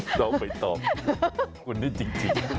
เราไปตอบคุณได้จริง